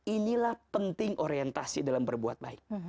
inilah penting orientasi dalam berbuat baik